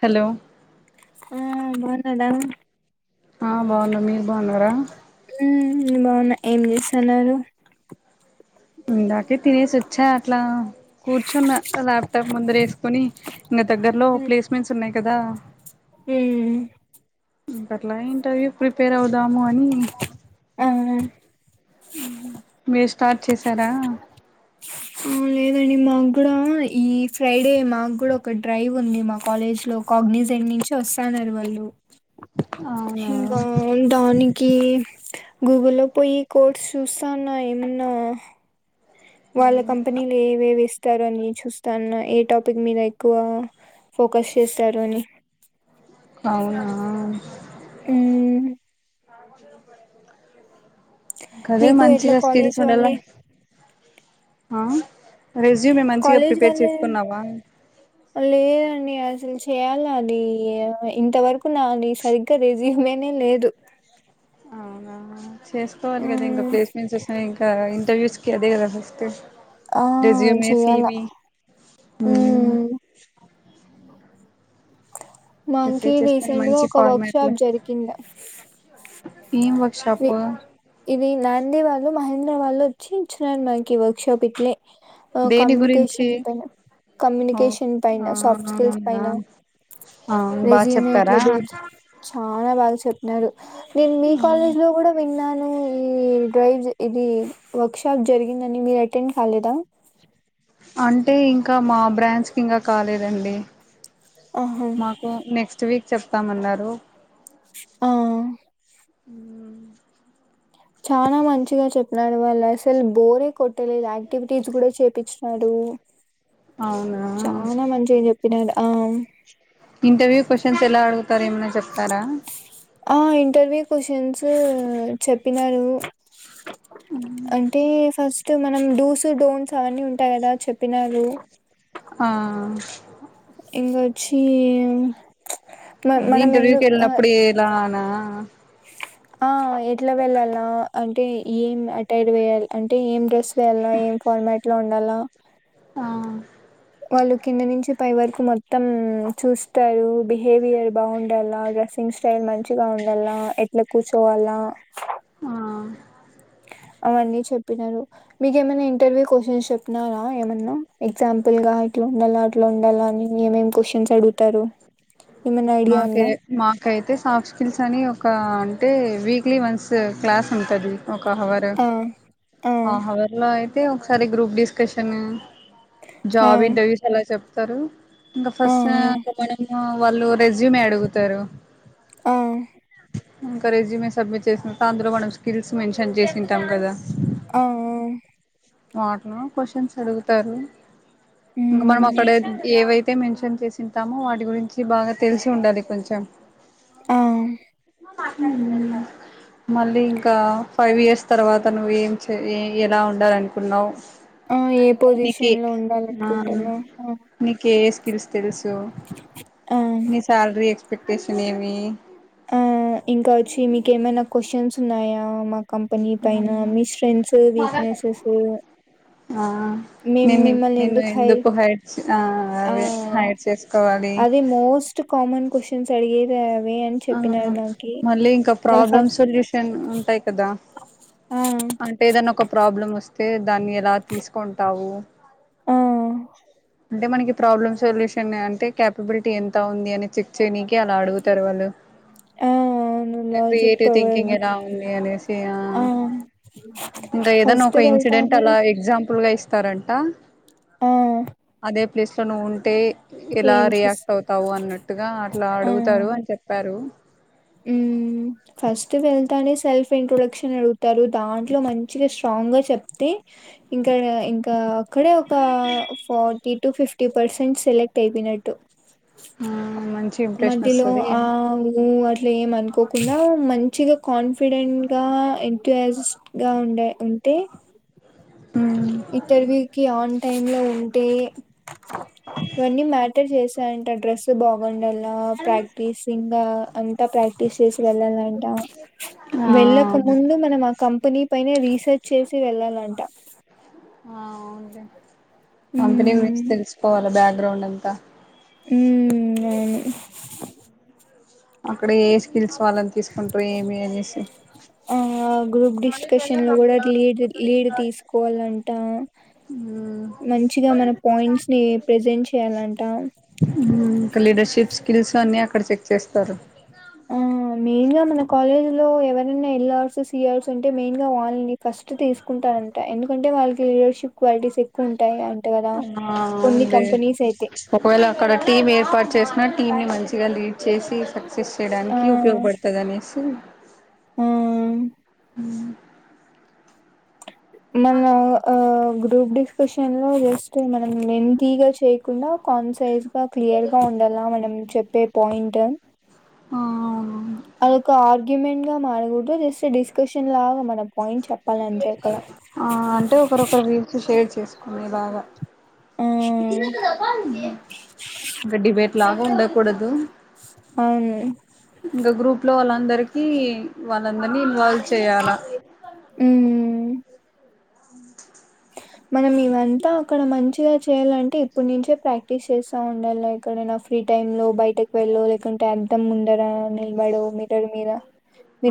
Hollow అహ్ బావున్నదా. ఆహ్ బాగున్న మీరు బాగున్నారా. ఉమ్మ్ బావున్న ఏం చేస్తున్నరు ఇందాకె తినేసి వచ్చా అట్లా కూర్చున్న లాప్టాప్ ముందర ఏసుకొని ఇంగ దగ్గరలో ప్లేస్మెంట్స్ ఉన్నాయి కాదా ఉమ్మ్ ఉం ఇంకట్ల ఇంటర్వ్యూ ప్రిపేర్ అవుదాము అని అవునా మీరు స్టార్ట్ చేసారా ఊ లేదండి మాకు గుడా ఈ ఫ్రైడే మాకు గుడా ఒక డ్రైవ్ ఉంది మా కాలేజ్ లో కాగ్నీజెంట్ నుంచి వస్తాన్నారు వాళ్ళు [unintelligible] ఇంకా దానికి గూగుల్లో పొయ్యి కోడ్స్ చూస్తాన్నా ఏము నా వాళ్ళ కంపెనీల ఎవేవి ఇస్తారు అని చూస్తాన్నా ఏ టాపిక్ మీద ఎక్కువ ఫోకస్ చేస్తారు అని అవునా ఊహూ కదే మీకు ఎట్లా మంచిగా స్కిల్స్ కాలేజ్ ఉండాల వాళ్ళే ఆ రెజ్యూమే మంచిగా కాలేజ్ ప్రిపేర్ వాళ్ళే చేసుకున్నావా లేదండి అసలు చేయాలి అది ఇంతవరకూ నాది సరిగ్గా రెస్ జ్యూమే నే లేదు అవునా చేసుకోవాలి గదా ఇంగ హ్మ్ ప్లేస్మెంట్స్ వస్తున్నాయి ఇంక ఇంటర్వ్యూస్ కి అదే గదా ఫస్టు ఆ రెస్యూమే సి చెయ్యాల వి ఉమ్మ్ హ్మ్ మాకి ప్రిపేర్ చేస్తాను రీసెంట్ గా మంచి ఒక వర్క్ ఫార్మాట్ లో షాప్ జరిగిండే ఏం వర్క్ షాపు ఈ నాంది వాళ్ళు మహేంద్ర వాళ్ళు వచ్చి ఇచ్చినార్ మాకి వర్క్ షాప్ ఇట్లే ఓ దేని గురించి కమ్యూనికేషన్ పైన ఓ కమ్యూనికేషన్ పైన సాఫ్ట్ స్కిల్స్ అవునా పైన ఆ బాగా రెస్యూమే చెప్పారా ఇట్లా బిల్ట్ చాలా బా బాగా చెప్పినారు నేను మీ కాలేజ్ లో గూడా విన్నాను ఈ డ్రైవ్స్ ఇది వర్క్ షాప్ జరిగింది అని మీరు అటెండ్ కాలేదా అంటే ఇంక మా బ్రాంచ్ కింగా కాలేదండి ఆహా మాకు నెక్స్ట్ వీక్ చెప్తాం అన్నారు ఆ ఊ చానా మంచిగా చెప్పినారు వాళ్ళసలే బోరే కొట్టలేదు యాక్టివిటీస్ గూడా చేపిచ్చినాడు అవునా చాలా మంచిగా చెప్పినాడు ఆం ఇంటర్వ్యూ క్వషన్స్ ఎలా అడుగుతారు ఏమన్నా చెప్తారా ఆ ఇంటర్వ్యూ క్యూస్షన్సు చెప్పినారు అంటే ఫస్ట్ మనం డుసు డోన్స్ అవన్నీ ఉంటాయి కదా చెప్పినారు ఆ ఇంగొచ్చి మ అది మనం ఎందు ఇంటర్వ్యూకి ఆ వెళ్ళినప్పుడు ఎలానా ఆ ఎట్లా వెళ్ళాలా అంటే ఏం అటైర్ వేయాల్ అంటే ఏం డ్రెస్ వేయాల ఏం ఫార్మాట్ లో ఉండాల ఆ వాళ్ళు కింద నుంచి పై వరకూ మొత్తం చూస్తారు బిహేవియర్ బావుండాల డ్రస్సింగ్ స్టైల్ మంచిగా ఉండాల ఎట్లా కూర్చోవాల ఆ అవన్నీ చెప్పినారు మీకు ఏమన్నా ఇంటర్వ్యూ కొషన్స్ చెప్పినారా ఏమన్నా ఎగ్సాంపుల్ గా ఇంట్లుండాలా అంట్లుండాలా అని యేమేం క్వొషన్స్ అడుగు మాకే మాకైతే సాఫ్ట్ స్కిల్స్ అని ఒక అంటే వీక్లీ వన్స్ క్లాస్ ఉంటది ఒక హవరు ఆ ఆ హవర్లో ఐతే ఒకసారి గ్రూప్ డిస్కర్షను ఆ జాబ్ ఇంటర్వ్యూస్ అలా చెప్తారు ఇంకా ఆ ఫస్ అయినా వాళ్ళు రెజ్యూమే అడుగుతారు ఆ ఇంకా రేజ్యుమె సబ్మిట్ చేసింటే అందులో మనం స్కిల్స్ మెన్షన్ చేసింటాం కదా ఆ ఆమ్ వాట్లో క్వశ్చన్స్ అడుగుతారు ఇంకా మనం మ్మ్ అక్కడ ఏవైతే తే మెన్షన్ చేసింటామో వాటి గురించి బాగా తెలుసుండాలి కొంచం ఆమ్ ఉమ్ మళ్ళీ ఇంకా ఫైవ్ ఇయర్స్ తరువాత నువు ఏం చేయ్ ఎలా ఉండాలనుకున్నావ్ ఆ ఏ నీకే పొజిషన్ లో ఆ ఉండాలనుకుంటున్నావ్ ఆ నీకే ఎస్క్ స్కిల్స్ తెలుసు ఆ నీ సాలరీ ఎక్సపెక్టషన్ ఏమి ఆ ఇంకా వచ్చి మీకేమైనా క్వశ్చన్స్ ఉన్నాయా మా కంపెనీ పైన మీ స్ట్రెన్సు వీక్నెసెస్ ఆ మేము నిన్ని మిమ్మల్ని నిన్ను హైర్ ఎందుకు హైడ్స్ ఆ ఆ అవే హైడ్ చేసుకోవాలి అదే మోస్ట్ కామన్ క్వశ్చన్స్ అడిగిదే ఆ మళ్ళీ ఇంకా మళ్ళ ప్రాబ్లమ్ ఫస్ట్ సొల్యూషన్ ఉంటాయి కదా ఆ అంటే ఏదన్న ఒక ప్రాబ్లం వాస్ తే దాన్ని ఎలా తీసుకుంటావు ఆ అంటే మనకి ప్రాబ్లమ్ సొల్యూషన్ అంటే క్యాపబుల్టీ ఎంత ఉంది అని చెక్ చేయనికి అలా అడుగుతారు వాళ్ళు ఆ అవును ఏ ఇంగా లాజిక్ క్రియేటివ్ పవర్ థింకింగ్ ఎలా ఉంది అనేసి ఆ ఇంకా ఏదన్నా ఫస్ట్ ఒక ఇ ఇన్సిడెంట్ వెళ్తానే అలా ఎక్సమ్పల్గా ఇస్త తరంట ఆ అదే ప్లేస్ లో నువుంటే ఏలా ఏం చేస్ రియాక్టవుతావు అన్నట్టుగా అట్లా అడుగుతారు అని చెప్పారు ఉమ్ ఫస్ట్ వెళ్తానే సెల్ఫ్ ఇంట్రోడక్షన్ అడుగుతారు దాంట్లో మంచిగా స్ట్రాంగ్ గా చెప్తే ఇంకా ఇంకా అక్కడే ఒక forty to fifty percent select అయిపోయిన నెట్టు ఆ మంచి ఇంప్రెషన్ మధ్యలో వస్తది ఆ ఊ అట్లే ఏం అనుక్ కోకుండా మంచిగా కాన్ఫిడెంట్ గా ఎంట్యుయక్సిజ్ గా ఉండే ఉంటే [unintelligible] ఇంటరవ్యూకి ఆన్ టైములో ఉంటే ఇవన్నీ మ్యాటర్ చేసా ఆ డ్రెస్ బాగుండాలి ఆ ప్రాక్టీస్ ఇంగా అంతా ప్రాక్టీస్ చేసి వెళ్ళాలంటా ఆ వెళ్ళక అవును. ముందు మనం ఆ కంపెనీ పైనే రీసెర్చ్ చేసి వెళ్ళాలంటా ఆ అవున్లే కంపెనీ గురించి మ్మ్ తెలుసుకోవాలా బ్యాగ్రౌండ్ అంతా ఉమ్ అవును అక్కడ ఏ స్కిల్స్ వాళ్ళని తీసుకుంటారు ఏమి అనేసి ఆ గ్రూప్ డిస్కషన్ లో కూడా లీడ్ లీడు తీసుకోవాలంట ఉమ్ మంచిగా మన పాయింట్స్ని ప్రెజెంట్ చేయాలంట ఇంకా లీడర్షిప్ స్కిల్స్ అన్నీ అక్కడ చెక్ చేస్తారు ఆ మెయిన్ గా మన కాలేజీ లో ఎవరైనా వెళ్లర్ సిఆర్స్ అంటే మెయిన్ గా వాళ్ళని ఫస్ట్ తీసుకుంట అంట ఎందుకంటే వాళ్ళకి లీడర్షిప్ క్వాలిటీస్ ఎక్కువ ఉంటాయి అంట కదా అవునా కొన్ని అవునులే కంపెనీస్ అయితే పర్ చేసిన టీం ని మంచిగా లీడ్ చేసి సక్సెస్ ఆ చేయడానికి ఉపయోగపడుతుంది అనేసి ఆ ఉమ్ మళ్ళ ఆ గ్రూప్ డిస్కషన్ లో జస్ట్ మనం మెంతి గా చేయకుండా కాన్సైస్ గా క్లియర్ గా ఉ దెలా మనం చెప్పే పాయింట్ ఆ అవునవును అదొక ఆర్గ్యుమెంట్ గా మారకూడదు జస్ ట్ డిస్కషన్ లాగా మన పాయింట్ చెప్పాలి అంతే అక్కడ. మీలాగ. ఆ మ ఇంగ డిబేట్లాగా ఉండకూడదు. అవును అందరికి వాళ్ళందరినీ ఇన్వాల్వ్ చేయాల ఉమ్ మనం ఇవంతా అక్కడ మంచిగా చేయాలంటే ఇప్పుడు నుంచే ప్రాక్టీస్ చేస్తా ఉండాలి ఎక్కడైనా ఫ్రీ టైమ్ లో బయటకు వెళ్ళో లేకుంటే, అద్దం ముందరా నిలబడో మీర్రర్ మీద,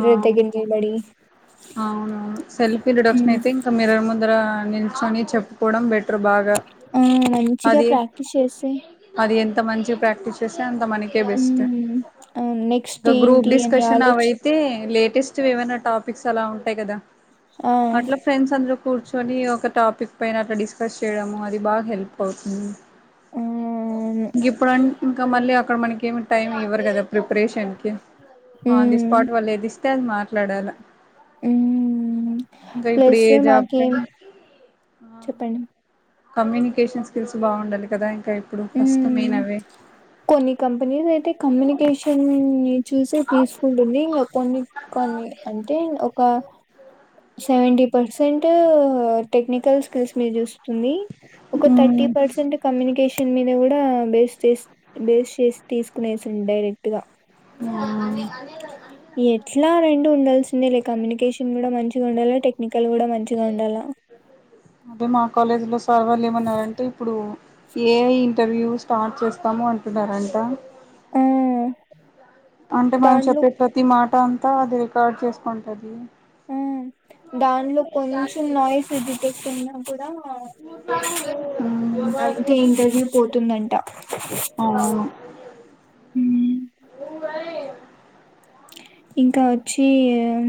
ఆ దగ్గర నిలబడి అవునవును సెల్ఫ్ ఇంట్రడక్షన్ ఉమ్. అయితే ఇంకా మిర్రర్ ముందరా నిల్చోని చెప్పుకోవడం బెటర్ బాగా ఆ మంచిగా అది ప్రాక్టీస్ చేస్తే అది ఎం త మంచిగ ప్రాక్టీస్ చేస్తే అంత మనకే బెస్ట్ హ్మ్. అవును. నెక్స్ట్ దు గ్రూప్ ఏంటి అని డిస్కషన్ అవై ఆలోచి తే లేటెస్ట్ ఏమైనా టాపిక్స్ అలా ఉంటాయి కదా ఆ! అట్లా ఫ్రెండ్స్ అందరు కూర్చొని ఒక టాపిక్ పైన అట్లా డిస్కస్ చేయడము అది బాగా హెల్ప్ అవుతుంది. అవును. గిప్పుడం ఇంకా మళ్ళీ అక్కడ మనకి ఏమి టైం ఇవ్వరు కదా preparation on the hmm. Spot వాళ్ళు ఏది ఇస్తే అది మాట్లాడాల హ్మ్. ఇగో ఇప్పుడు ప్లస్ ఏ మాకేం జాబ్కాయిన ఆ చెప్పండి. కమ్యూనికేషన్ స్కిల్స్ బాగుండాలి కదా ఇంకా ఇప్పుడు ఫస్ట్ మెయిన్ హ్మ్. అవే. కొన్ని కంపెనీస్ అయితే కమ్యూనికేషన్ ని చూసి తీసుకుంటుంది ఇంకా కొన్ని కొన్ని అంటే ఒక సెవెంటీ పర్సెంటూ టెక్నికల్ స్కిల్స్ నీ చూస్తుంది. ఒక థర్టీ పర్సెంట్ కమ్యూనికేష న్ని కూడా బేస్ చేస్ బేస్ చేసి తీసుకునేసింది డైరెక్ట్ గా. అదే ఎట్లా రెండు ఉండాల్సిందేలే కమ్యూనికేషన్ కూడా మంచి టు ఉండాలా, టెక్నికల్ కూడా మంచిగ ఉండాలా. పవర్లు ఏమన్నారంటే ఇప్పుడు ఏ ఇంటర్వ్యూ స్టార్ట్ చేస్తామో అంటున్నారంటా ఆ అంటే మనం దాంట్లో చెప్పే ప్రతి మాట అంతా అది రికార్డ్ చేసుకుంటది. దాన్లో కొంచెం నాయిస్ డిటెక్ట్ అయినా కూడా మ్మ్ అయితే ఇంటర్వ్యూ పోతుందంట మ్మ్. ఉంగనే ఇంకా ఒచ్చీ మ్మ్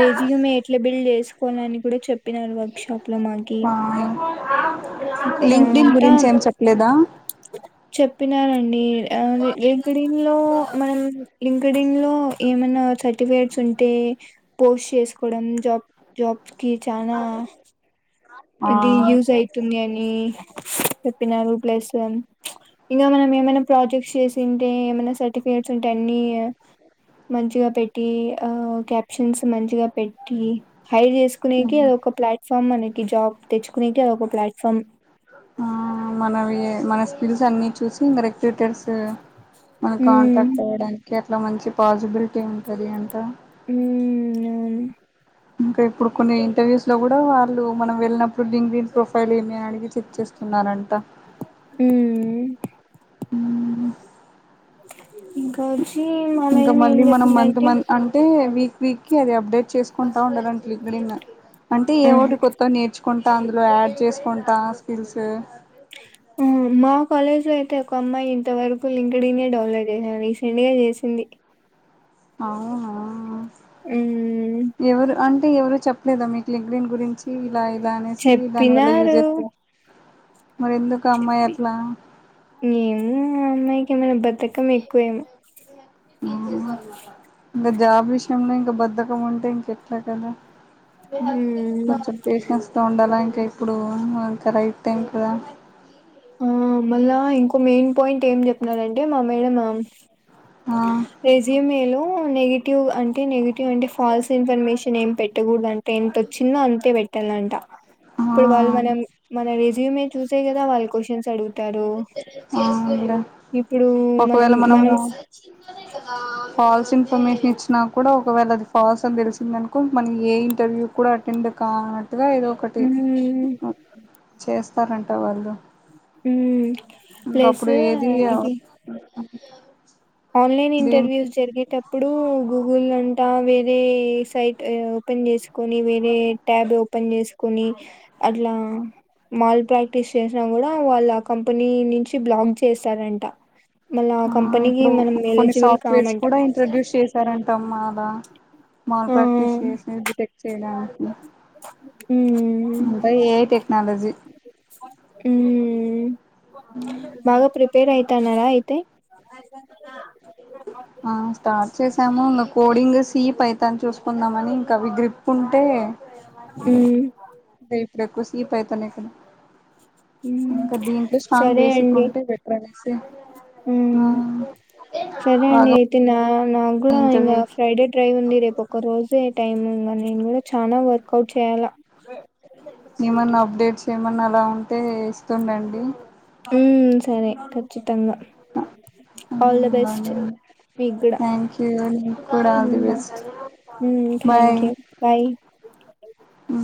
డేస్యుమ్ ఎట్లా బిల్డ్ చేసుకోలని కూడా చెప్పినరు వర్క్షాప్ లో మాకి. ఆ లింక్డిన్ అంతా గురించి ఏం చెప్పలేదా? చెప్పినారండి ఆ లింక్డిన్ లో మనం లింక్డిన్ లో ఏమైనా సర్టిఫికేట్స్ ఉంటే పోస్ట్ చేసుకోవడం జాబ్ జాబ్ కి చానా ఆ ఇదీ యూజ్ అయితుందనీ చెప్పినా రు ప్లస్ ప్చ్ ఇంగా మనం ఏమైనా ప్రాజెక్ట్స్ చేసింటే ఏమన సర్టిఫికేట్ అంటే అన్నీ మంచిగా పెట్టి ఆ క్యాప్షన్స్ మంచిగా పెట్టీ హైడ్ చేసుకునేకి మ్మ్ అది ఒక ప్లాట్ఫామ్ అనే తెచ్చుకునేకీ అదొక ప్లాట్ఫామ్ ఆ మనవి మన స్కిల్స్ అన్ని చూసి మరె డిటైల్స్ మనకు ఉమ్ కాంటాక్ట్ అవ్వడానికి అట్లా మంచి పాజిబిలిటీ ఉంటంది అంటా. ఉమ్ అవును ఇంకా ఇప్పుడు కొన్ని ఇంటర్వ్యూస్ లో కూడా వాళ్ళు మనం వెళ్ళినప్పుడు లింక్డ్ ఇన్ ప్రొఫైల్ ఏమి అడిగి చర్చిస్తున్నారంట. మ్ ఇంకా వచ్చి మా ఇంకా మేడం ఏం మళ్ళీ మనం మంత్ చెప్పిందంటే మంత్ అంటే వీక్ వీక్ కి అది అప్డేట్ చేసుకుంటా ఉండాలంట. లింక్డ్ ఇన్ అంటే ఆ ఏవో ఒకటి కొత్తవి నేర్చు కుంటా అందులో యాడ్ చేసుకుంటా, స్కిల్స్. మా కాలేజ్ లో అయితే ఒక అమ్మాయి ఇంత వరకు లింకెడ్ఇన్నే డౌన్లోడ్ చేయలే, రీసెంట్ గా చేసింది. అవునా ఎవరు అన్ అంటే, ఎవరు చెప్పలేదా మీకు లింక్డ్ ఇన్ గురించి ఇలా ఇలా అనేసి దాని వల్ల చెప్పినారు యూజస్ చెప్పి. ఏమో, ఆ అమ్మాయికి ఏమన్న బద్దకం ఎక్కువేమో! మ్ ఇంగ జాబ్ విషయంలో ఇంక బద్దకం ఉంటే, ఇంకెట్ల కదా! కొంచం పేషన్స్ తో ఉండాల ఇం క ఇప్పుడు ఇన్ ఇంక రైట్ టైం కదా! ఊ అమ్మయ్య, ఇంకో మెయిన్ పాయింట్ ఏం చెప్పినారంటే మా మేడము ఆ రెసుమేలో నెగిటివ్ అంటే నెగె టీవ్ అంటే, ఫాల్స్ ఇన్ఫర్మేషన్ ఏం పెట్టకూడదంట. ఎంతొచ్చిందో అంతే పెట్టాలంట. ఆ ఇప్పుడు వాళ్ళు మనం మన రిజ్యూమే చూసే కదా వాళ్ళు క్వషన్స్ అడుగుతారు. అవునులె. ఇప్పుడు మనం ఒకవేళ మనము మనం ఫాల్స్ ఇన్ఫర్మేషన్ ఇచ్చినా కూడ, ఒకవేళ అది ఫాల్స్ అని తెలిసిందనుకో, మల్లి ఏ ఇంటర్వ్యూ కి కూడ అటెండ్ కానట్టుగా ఏదో ఒకటి మ్మ్ చేస్తారంట వాళ్ళు. మ్ ఇంకప్పుడు ఏది ఆన్లైన్ దీనికి ఇంటర్వ్యూస్ జరిగేటప్ ప్పుడు గూగుల్ అంటా వేరే సైట్ ఓపెన్ చేసుకొని, వేరే ట్యాబ్ ఒ పన్ చేసుకొని, అట్లా మాల్ ప్రాక్టీస్ చేసినా కూడ, వాళ్ ఆ కంపెనీ నుంచి బ్లాక్ చేస్తారంట. మల్లా ఆ కంపనీ, ఇప్పుడు కొన్ని సాఫ్ట్వేర్స్ కూడా ఇంట్రొడ్యూస్ చేశారంటమ్మా ఆడ. మాల్ ఆ ప్రాక్టీస్ చేసి డిటెక్ట్ చేయడానికి. మ్మ్ అంతా ఏఐ టెక్నాలజీ. మ్ బాగ ప్రిపేర్ అయితాన్నారా అయితే? ఆ స్టార్ట్ చేస్ ఏమన్న కోడింగు, సీ, పైథాన్ చూసుకుందామని, ఇంక అవి గ్రిప్ ఉన్ మ్ అదే ఇప్పుడు ఎక్కువ సి, పైథాన్ ఎ కదా! మ్మ్ ఇంక దీంట్లో స్ట్రాంగ్ సరే బేసిక్ అండి ఉంటే బెటర్ అనేసి, ఆ మ్మ్ సరే అండి బాగా అయితే నా నాక్ కూడ ఇంకా ఇంటర్వ్యూకి ఫ్రైడే డ్రైవ్ ఉంది. రేపు ఒక్క రోజే టైమ్. ఇంక నేను కూడా చాన వర్క్ కౌట్ చేయాల. ఏమన్నా అప్డేట్స్ ఏమన్నా అలా ఉంటే ఇస్తుండండి ఉమ్ సరే కచ్చితంగ. మ్ బాగు కూడా థ్యాంక్ యు. మీకు కూడ all the best. Hmm thank you. Bye. ఆ